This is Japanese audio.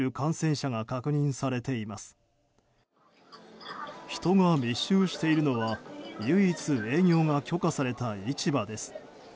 人が密集しているのは唯一営業が許可された市場です。